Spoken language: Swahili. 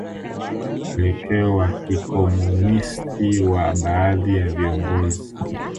Mwelekeo wa kikomunisti wa baadhi ya viongozi